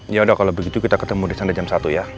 yaudah kalau begitu kita ketemu disana jam satu ya